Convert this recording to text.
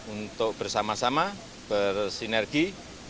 untuk bersama sama bersinergi